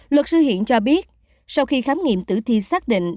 luật sư hiển cho biết sau khi khám nghiệm tử thi xác định